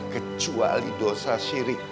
kecuali dosa syirik